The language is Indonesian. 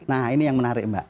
nah ini yang menarik mbak